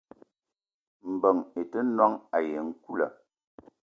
Mbeng i te noong ayi nkoula.